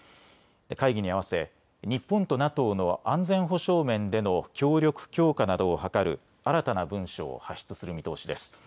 会議に合わせ日本とＮＡＴＯの安全保障面での協力強化などを図る新たな文書を発出する見通しです。